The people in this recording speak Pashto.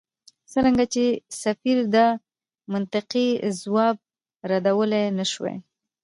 څرنګه چې سفیر دا منطقي ځواب ردولای نه شوای.